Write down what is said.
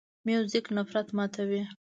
موزیک نفرت ماتوي.